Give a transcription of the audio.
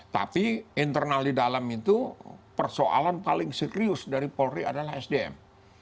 tapi internal di dalam itu persoalan paling serius dari polri adalah sdm